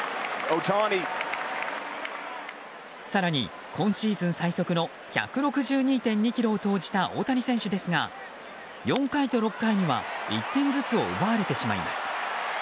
更に、今シーズン最速の１６２．２キロを投じた大谷選手ですが４回と６回には１点ずつを奪われてしまいます。